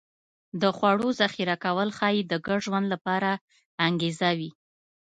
د خوړو ذخیره کول ښایي د ګډ ژوند لپاره انګېزه وي